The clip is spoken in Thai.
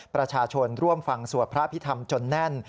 ประชาชนร่วมฟังสวดพระพิธรรมจนแน่น